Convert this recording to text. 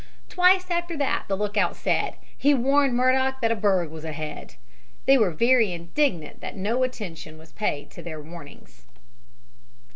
"Twice after that, the lookout said, he warned Murdock that a berg was ahead. They were very indignant that no attention was paid to their warnings."